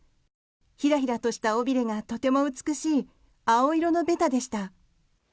ひらひらとした尾びれがとても美しい青色のベタでした。